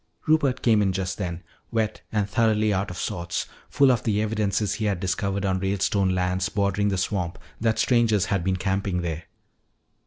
Rupert came in just then, wet and thoroughly out of sorts, full of the evidences he had discovered on Ralestone lands bordering the swamp that strangers had been camping there.